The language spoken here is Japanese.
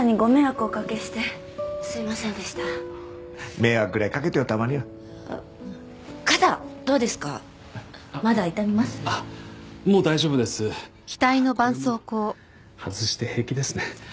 これも外して平気ですね。